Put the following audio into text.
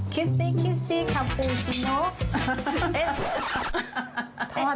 ซี่คิสซี่คาปูชิโน